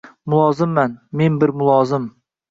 Mulozimman, men bir mulozim